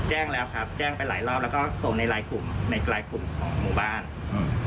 แจ้งแล้วครับแจ้งไปหลายรอบแล้วก็ส่งในรายกลุ่มในลายกลุ่มของหมู่บ้านอืม